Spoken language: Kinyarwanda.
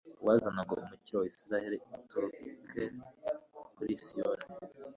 uwazana ngo umukiro wa israheli uturuke kuri siyoni